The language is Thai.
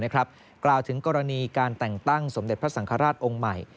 กล่าวถึงกรณีการแต่งตั้งสมเด็จพระสังฆราชองค์ใหม่